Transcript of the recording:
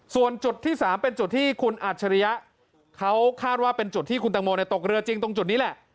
ส่วนจุดที่๓เป็นจุดที่คุณอัจฉริยะเขาคาดว่าเป็นจุดที่คุณตังโมตกเรือจริงตรงจุดนี้แหละ